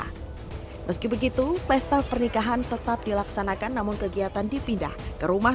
hai meski begitu pesta pernikahan tetap dilaksanakan namun kegiatan dipindah ke rumah